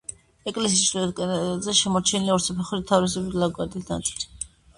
ეკლესიის ჩრდილოეთ კედელზე შემორჩენილია ორსაფეხურიანი თაროსებრი ლავგარდნის ნაწილი.